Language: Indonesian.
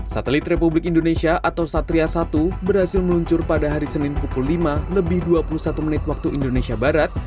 satelit republik indonesia atau satria satu berhasil meluncur pada hari senin pukul lima lebih dua puluh satu menit waktu indonesia barat